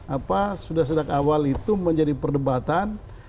apa sudah sejak awal itu menjadi perdebatan